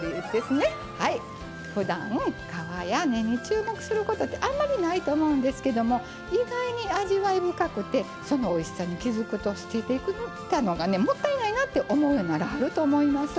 ふだん皮や根に注目することってあんまりないと思うんですけども意外に味わい深くてそのおいしさに気付くと捨ててきたのがねもったいないなって思うようにならはると思います。